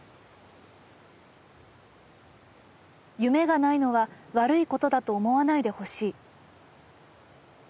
夢がないのは悪いことだと思わないでほしい」。